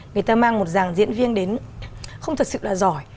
người ta mang một dàng diễn viên đến không thật sự là giỏi